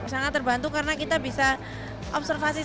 sangat terbantu karena kita bisa observasi